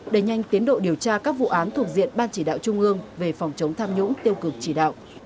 đẩy nhanh tiến độ điều tra các vụ án thuộc diện ban chỉ đạo trung ương về phòng chống tham nhũng tiêu cực chỉ đạo